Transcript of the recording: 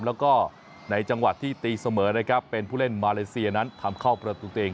แล้วก็ในจังหวะที่ตีเสมอนะครับเป็นผู้เล่นมาเลเซียนั้นทำเข้าประตูตัวเอง